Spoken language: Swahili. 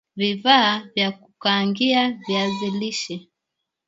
Vifaa vya kukaangie viazi lishe